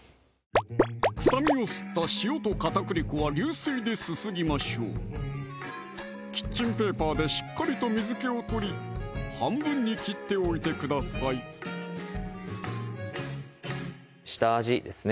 臭みを吸った塩と片栗粉は流水ですすぎましょうキッチンペーパーでしっかりと水気を取り半分に切っておいてください下味ですね